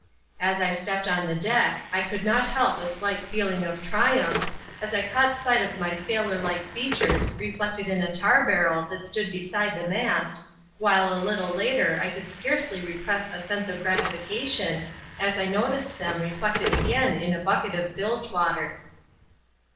As I stepped on the deck I could not help a slight feeling of triumph, as I caught sight of my sailor like features reflected in a tar barrel that stood beside the mast, while a little later I could scarcely repress a sense of gratification as I noticed them reflected again in a bucket of bilge water.